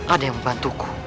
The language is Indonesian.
ada yang membantuku